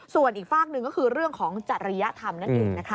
ส่วนอีกฝากหนึ่งก็คือเรื่องของจริยธรรมนั่นเองนะคะ